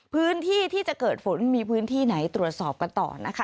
พื้นที่ที่จะเกิดฝนมีพื้นที่ไหนตรวจสอบกันต่อนะคะ